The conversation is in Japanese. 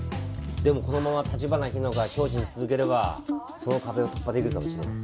でもこのまま橘日名子が勝利し続ければその壁を突破できるかもしれない。